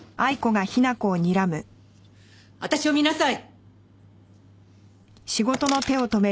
私を見なさい！